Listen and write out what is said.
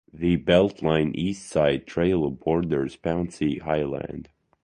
The BeltLine Eastside Trail borders Poncey-Highland.